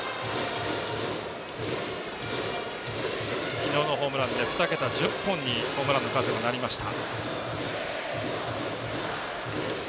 昨日のホームランで２桁１０本にホームランの数がなりました。